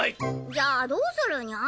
じゃあどうするニャン？